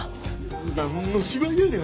何の芝居やねん？